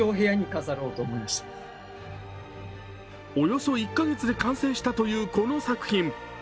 およそ１カ月で完成したというこの作品。